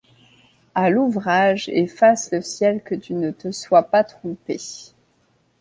À l’ouvrage, et fasse le ciel que tu ne te sois pas trompé!